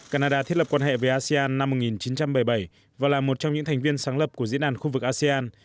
canada thiết lập quan hệ với asean năm một nghìn chín trăm bảy mươi bảy và là một trong những thành viên sáng lập của diễn đàn khu vực asean